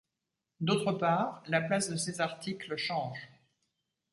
D’autre part, la place de ces articles change.